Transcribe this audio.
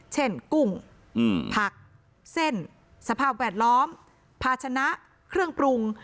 กุ้งผักเส้นสภาพแวดล้อมภาชนะเครื่องปรุง